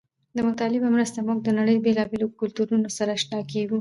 د مطالعې په مرسته موږ د نړۍ له بېلابېلو کلتورونو سره اشنا کېږو.